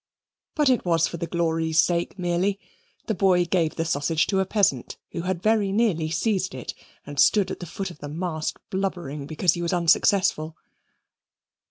But it was for the glory's sake merely. The boy gave the sausage to a peasant, who had very nearly seized it, and stood at the foot of the mast, blubbering, because he was unsuccessful.